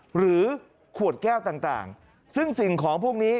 หรือขวดแก้วต่างซึ่งสิ่งของพวกนี้